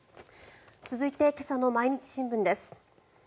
続いて、今朝の毎日新聞です。